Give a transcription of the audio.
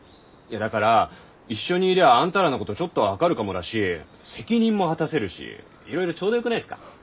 いやだから一緒にいりゃあんたらのことちょっとは分かるかもだし責任も果たせるしいろいろちょうどよくないっすか。